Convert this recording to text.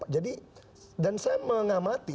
jadi dan saya mengamati